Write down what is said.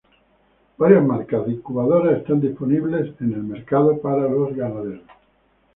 Varias marcas de incubadoras están disponibles en el mercado para los ganaderos.